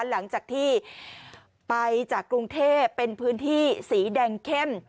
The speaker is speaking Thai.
หลังจากที่ไปจากกรุงเทพเป็นพื้นที่สีแดงเข้ม